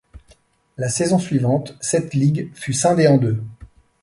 La saison suivante, cette ligue fut scindée en deux.